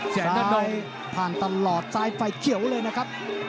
แสนนานงผ่านตลอดซ้ายไฟเขียวเลยนะครับ